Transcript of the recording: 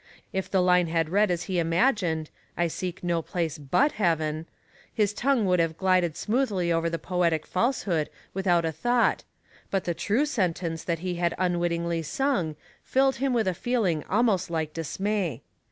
If the line had read as he imagined, " I seek no place Mistakes — G reat and Small. 131 hut heaven," his tongue would have glided smoothly over the poetic falsehood without a thought, but the true sentence that he had unwittingly sung filled him with a feehng almost like dismay.